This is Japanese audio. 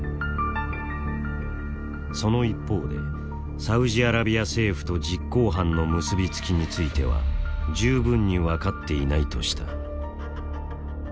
その一方でサウジアラビア政府と実行犯の結びつきについては十分に分かっていないとした。